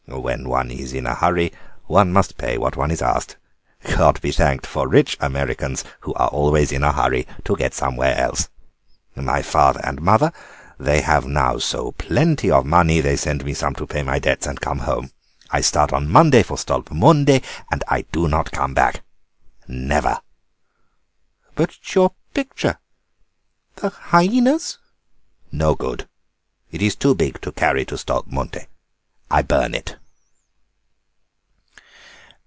When one is in a hurry one must pay what one is asked. God be thanked for rich Americans, who are always in a hurry to get somewhere else. My father and mother, they have now so plenty of money; they send me some to pay my debts and come home. I start on Monday for Stolpmünde and I do not come back. Never." "But your picture, the hyænas?" "No good. It is too big to carry to Stolpmünde. I burn it."